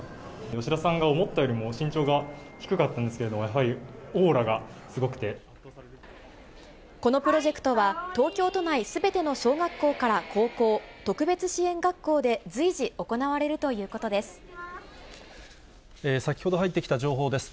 吉田さんが思ったよりも身長が低かったんですけれど、やはりオーこのプロジェクトは、東京都内すべての小学校から高校、特別支援学校で、随時、行われる先ほど入ってきた情報です。